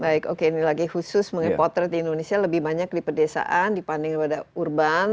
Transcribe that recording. baik oke ini lagi khusus mengenai potret di indonesia lebih banyak di pedesaan dibandingkan pada urban